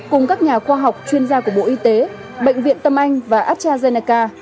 cùng các nhà khoa học chuyên gia của bộ y tế bệnh viện tâm anh và astrazeneca